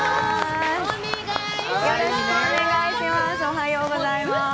おはようございます。